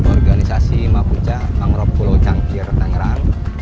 organisasi mapunca mangrop kulau cangkir tangerang